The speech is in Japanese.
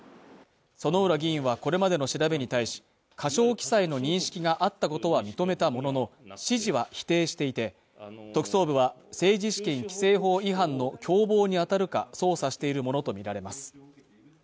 薗浦議員はこれまでの調べに対し過少記載の認識があったことは認めたものの指示は否定していて特捜部は政治資金規正法違反の共謀に当たるか捜査しているものと見られます